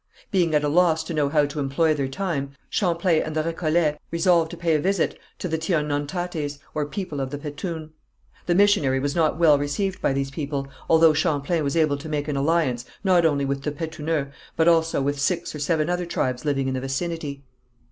Being at a loss to know how to employ their time, Champlain and the Récollets resolved to pay a visit to the Tionnontatés, or people of the Petun. The missionary was not well received by these people, although Champlain was able to make an alliance, not only with the Petuneux, but also with six or seven other tribes living in the vicinity.